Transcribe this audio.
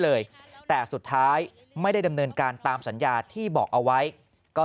เลยแต่สุดท้ายไม่ได้ดำเนินการตามสัญญาที่บอกเอาไว้ก็